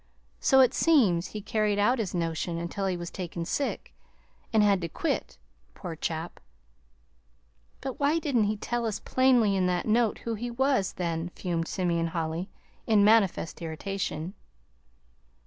So it seems he carried out his notion until he was taken sick, and had to quit poor chap!" "But why didn't he tell us plainly in that note who he was, then?" fumed Simeon Holly, in manifest irritation.